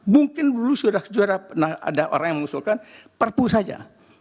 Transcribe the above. mungkin dulu sudah juara pernah ada orang yang mengusulkan perpu saja